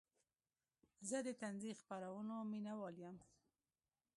زه د طنزي خپرونو مینهوال یم.